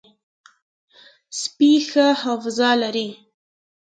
سپي ښه حافظه لري.